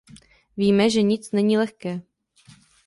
Víme, že nic není lehké.